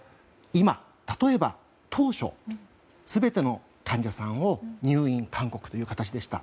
今、例えば、当初全ての患者さんを入院勧告という形でした。